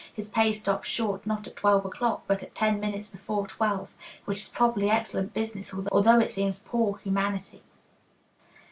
his pay stops short not at twelve o'clock, but at ten minutes before twelve. Which is probably excellent business, although it seems poor humanity.